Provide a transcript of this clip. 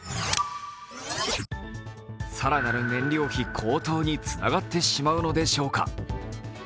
更なる燃料費高騰につながってしまうのでしょうか。